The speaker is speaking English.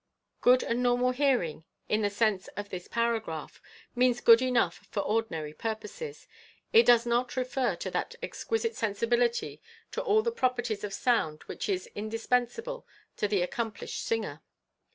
Good and normal hearing, in the sense of this para graph, means good enough for ordinary purposes. It does not refer to that exquisite sensibility to all the properties of sound which is indispensable to the accomplished singer.